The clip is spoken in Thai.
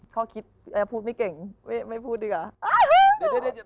ข้อคิดพูดไม่เก่งไม่พูดดีกว่า